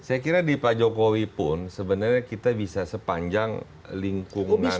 saya kira di pak jokowi pun sebenarnya kita bisa sepanjang lingkungan